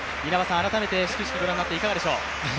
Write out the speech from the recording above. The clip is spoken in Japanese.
改めて始球式ご覧になっていかがでしょう？